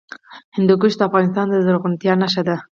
هندوکش د افغانستان د زرغونتیا نښه ده.